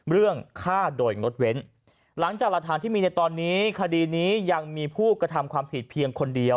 เรื่องฆ่าโดยงดเว้นหลังจากหลักฐานที่มีในตอนนี้คดีนี้ยังมีผู้กระทำความผิดเพียงคนเดียว